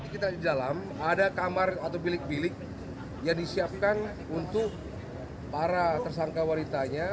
kita di dalam ada kamar atau bilik bilik yang disiapkan untuk para tersangka wanitanya